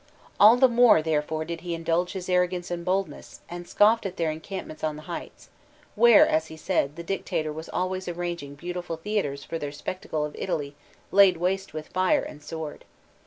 All the more therefore did he indulge his arrogance and boldness, and scoffed at their encampments on the heights, where, as he said, the dictator was always arranging beautiful theatres ' for their spectacle of Italy laid waste with fire and sword.